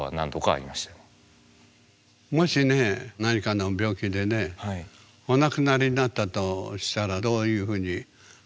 もしね何かの病気でねお亡くなりになったとしたらどういうふうにあなたは思いますか？